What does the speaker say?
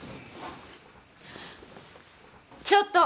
ちょっと！